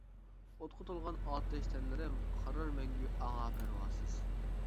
ئوتقا تولغان ئاتەش تەنلىرىم، قارار مەڭگۈ ئاڭا پەرۋاسىز.